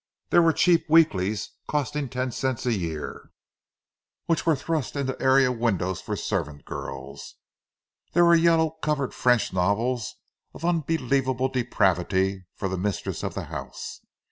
There were cheap weeklies, costing ten cents a year, which were thrust into area windows for servant girls; there were yellow covered French novels of unbelievable depravity for the mistress of the house.